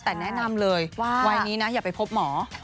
แต่แนะนำเลยวันนี้อย่าไปพบหมอ